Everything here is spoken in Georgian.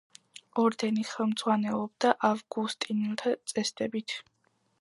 ორდენი ხელმძღვანელობდა ავგუსტინელთა წესდებით.